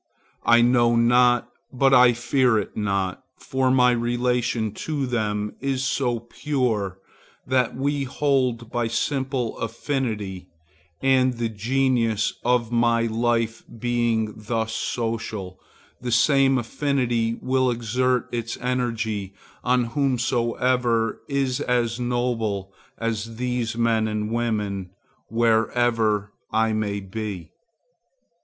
I know not, but I fear it not; for my relation to them is so pure, that we hold by simple affinity, and the Genius of my life being thus social, the same affinity will exert its energy on whomsoever is as noble as these men and women, wherever I may be.